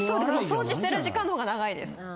掃除してる時間の方が長いです。